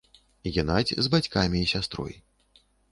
Генадзь з бацькамі і сястрой.